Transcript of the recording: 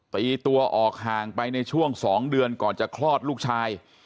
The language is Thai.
ตีตัวออกห่างไปในช่วง๒เดือนก่อนจะคลอดลูกชาย